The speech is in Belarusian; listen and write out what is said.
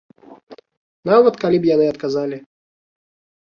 Нават калі б яны адказалі.